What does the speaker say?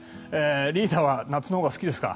リーダーは夏のほうが好きですか？